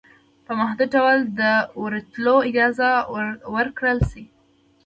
په محدود ډول دورتلو اجازه ورکړل شوه